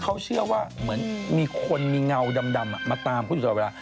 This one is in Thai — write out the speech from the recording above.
เขาเชื่อว่าเหมือนมีคนมีเงาดำมาตามเขาอยู่ตลอดเวลา